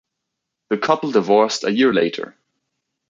The couple divorced a year later.